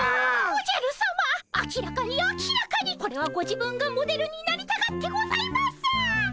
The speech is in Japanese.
おじゃるさま明らかに明らかにこれはご自分がモデルになりたがってございます。